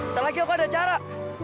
ntar lagi aku ada cara